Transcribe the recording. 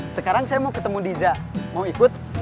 sekarang saya mau ketemu diza mau ikut